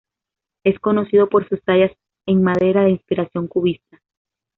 Es conocido por sus tallas en madera de inspiración cubista.